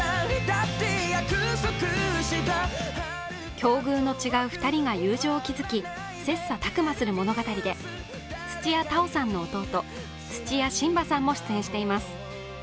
境遇の違う２人が友情を築き切さたく磨する物語で土屋太鳳さんの弟、土屋神葉さんも出演しています。